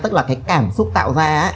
tức là cái cảm xúc tạo ra ấy